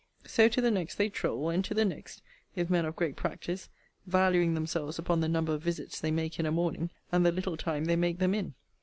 So to the next they troll, and to the next, if men of great practice; valuing themselves upon the number of visits they make in a morning, and the little time they make them in.